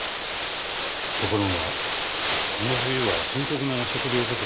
ところがこの冬は深刻な食料不足。